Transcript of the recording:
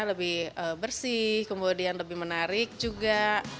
lebih bersih kemudian lebih menarik juga